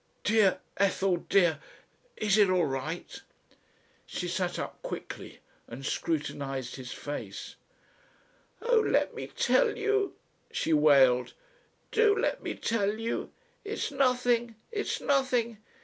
Dear Ethel dear. Is it all right?" She sat up quickly and scrutinised his face. "Oh! let me tell you," she wailed. "Do let me tell you. It's nothing. It's nothing.